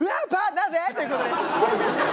「なぜ！？」っていうことです。